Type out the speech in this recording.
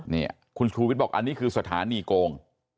นี่คุณชูวิทย์บอกอันนี้คือสถานีโกง